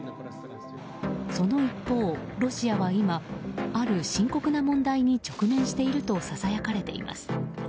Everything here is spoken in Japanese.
その一方、ロシアは今ある深刻な問題に直面しているとささやかれています。